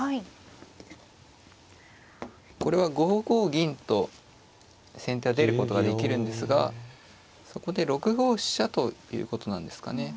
これは５五銀と先手は出ることができるんですがそこで６五飛車ということなんですかね。